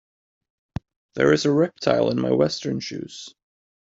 There is a reptile in my western shoes.